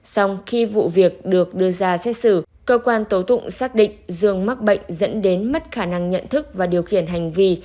xong khi vụ việc được đưa ra xét xử cơ quan tố tụng xác định dương mắc bệnh dẫn đến mất khả năng nhận thức và điều khiển hành vi